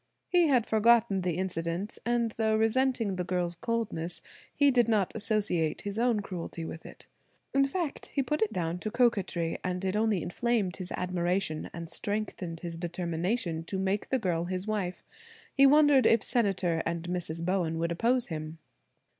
He had forgotten the incident; and though resenting the girl's coldness, he did not associate his own cruelty with it. In fact, he put it down to coquetry, and it only inflamed his admiration and strengthened his determination to make this girl his wife. He wondered if Senator and Mrs. Bowen would oppose him?